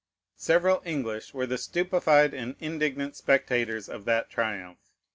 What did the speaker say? Several English were the stupefied and indignant spectators of that triumph.